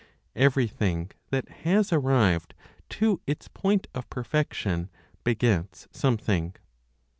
Everything that has arrived to its point of perfection begets something.